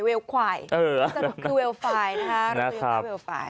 แถมมีสรุปอีกต่างหาก